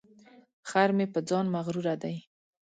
خر مې په ځان مغروره دی.